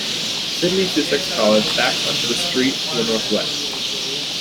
Sidney Sussex College backs on to the street to the northwest.